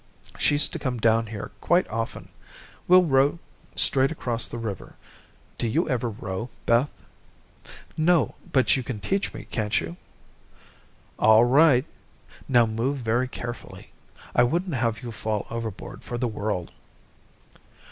She used to come down here quite often. We'll row straight across the river. Did you ever row, Beth?" "No, but you can teach me, can't you?" "All right. Now move very carefully. I wouldn't have you fall overboard for the world."